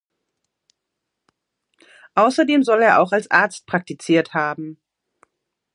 Außerdem soll er auch als Arzt praktiziert haben.